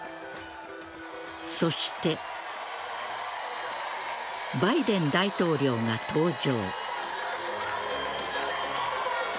そしてバイデン大統領が登場。